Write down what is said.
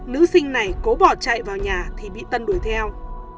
nữ sinh này cố bỏ chạy vào nhà thì bị tân đuổi theo